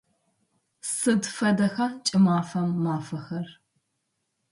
Сыд фэдэха кӏымафэм мафэхэр?